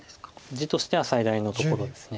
地としては最大のところです。